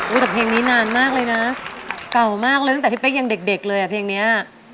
แต่เพลงนี้นานมากเลยนะเก่ามากเลยตั้งแต่พี่เป๊กยังเด็กเลยอ่ะเพลงเนี้ย